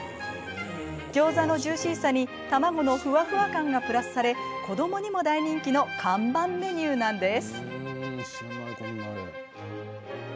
ギョーザのジューシーさに卵のふわふわ感がプラスされ子どもにも大人気の看板メニューなんです。